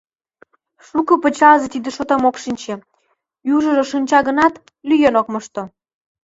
Шуко пычалзе тиде шотым ок шинче, южыжо шинча гынат, лӱен ок мошто.